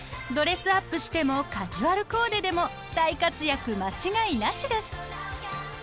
ドレスアップしてもカジュアルコーデでも大活躍間違いなしです。